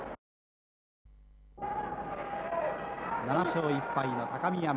７勝１敗の高見山。